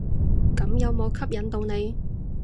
咁有無吸引到你？